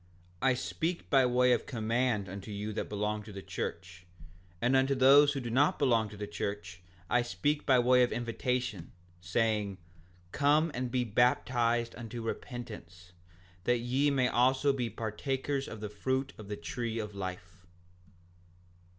5:62 I speak by way of command unto you that belong to the church; and unto those who do not belong to the church I speak by way of invitation, saying: Come and be baptized unto repentance, that ye also may be partakers of the fruit of the tree of life.